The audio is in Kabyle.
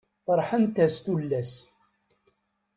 Ferḥent-as tullas.